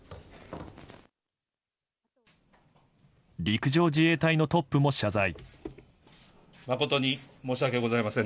陸上自衛隊のトップも謝罪。